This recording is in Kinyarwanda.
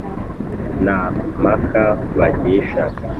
nta mpaka bangisha